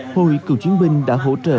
hội kiệu chiến binh đã hỗ trợ